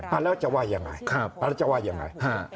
อาจารย์จะไหว่อย่างไง